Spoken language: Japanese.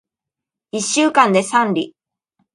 一週間で三里